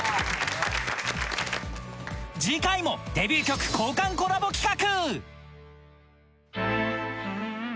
次回もデビュー曲交換コラボ企画